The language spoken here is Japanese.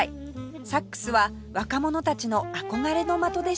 サックスは若者たちの憧れの的でした